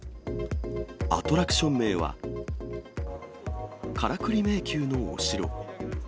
アトラクション名は、カラクリ迷宮のお城。